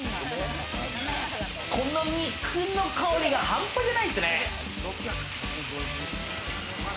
この肉の香りが半端じゃないですね。